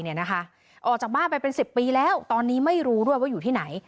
ออกจากบ้านไปเป็น๑๐ปีแล้วตอนนี้ไม่รู้ด้วยว่าอยู่ที่ไหน